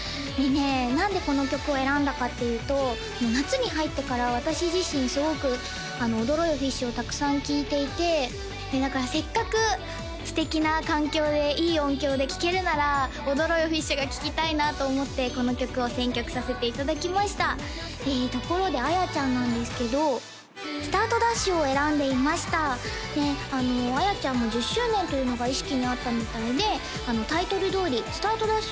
何でこの曲を選んだかっていうと夏に入ってから私自身すごく「踊ろよ、フィッシュ」をたくさん聴いていてせっかく素敵な環境でいい音響で聴けるなら「踊ろよ、フィッシュ」が聴きたいなと思ってこの曲を選曲させていただきましたでところで彩ちゃんなんですけど「スタートダッシュ！」を選んでいました彩ちゃんも１０周年というのが意識にあったみたいでタイトルどおり「スタートダッシュ！」